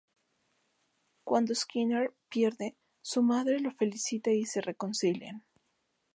Cuando Skinner pierde, su madre lo felicita y se reconcilian.